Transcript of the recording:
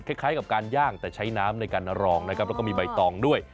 คล้ายกับการย่างแต่ใช้น้ำในการรองนะครับแล้วก็มีใบตองด้วย